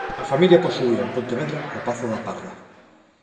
A familia posuía en Pontevedra o pazo da Parda.